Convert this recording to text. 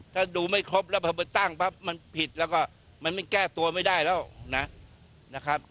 ถ้าดูไม่ครบแล้วพอไปตั้งปั๊บมันผิดแล้วก็มันไม่แก้ตัวไม่ได้แล้วนะครับ